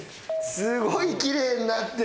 すごいきれいになってる。